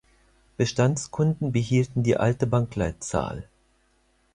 Bestandskunden behielten die alte Bankleitzahl.